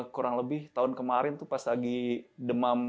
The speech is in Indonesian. kurang lebih tahun kemarin tuh pas lagi demam